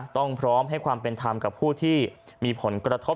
ต้องพร้อมให้ความเป็นธรรมกับผู้ที่มีผลกระทบ